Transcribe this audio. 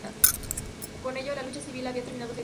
Con ello, la lucha civil había terminado definitivamente.